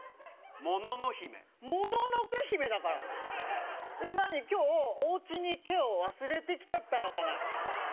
ものの姫もののけ姫だからえっ何今日おうちに「け」を忘れてきちゃったのかな？